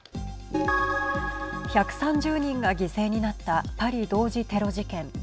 １３０人が犠牲になったパリ同時テロ事件。